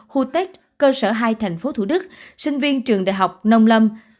hutech cơ sở hai thành phố thủ đức sinh viên trường đại học nông lâm